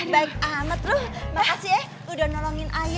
baik amat lu makasih udah nolongin ayah